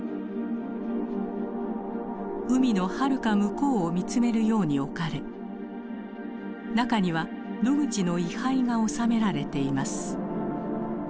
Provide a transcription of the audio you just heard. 海のはるか向こうを見つめるように置かれ中にはノグチの遺灰が納められています。